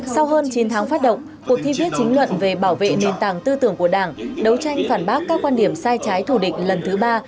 sau hơn chín tháng phát động cuộc thi viết chính luận về bảo vệ nền tảng tư tưởng của đảng đấu tranh phản bác các quan điểm sai trái thù địch lần thứ ba